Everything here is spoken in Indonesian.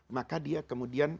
maka dia kemudian